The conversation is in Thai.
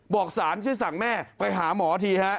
บอกสารช่วยสั่งแม่ไปหาหมอทีฮะ